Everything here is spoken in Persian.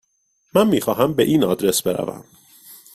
من میخواهم به این آدرس بروم.